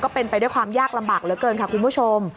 เป็นไปด้วยความยากลำบากเหลือเกินค่ะคุณผู้ชม